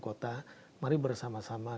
kota mari bersama sama